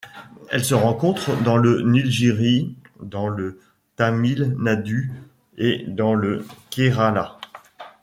Elle se rencontre dans les Nîlgîri dans le Tamil Nadu et dans le Kerala.